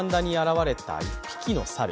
住宅のベランダに現れた１匹の猿。